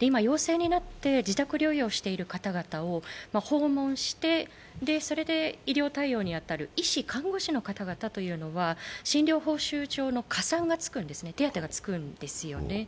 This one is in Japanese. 今、陽性になって自宅療養している方々を訪問して医療対応に当たる医師、看護師の方々というのは診療報酬上の加算、手当がつくんですよね。